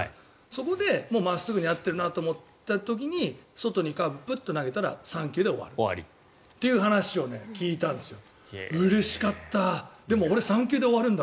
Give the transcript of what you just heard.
そこで真っすぐ狙ってるなと思った時に外にカーブをプッと投げたら３球で終わるという話を聞いたんですよ。